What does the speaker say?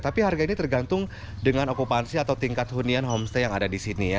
tapi harga ini tergantung dengan okupansi atau tingkat hunian homestay yang ada di sini ya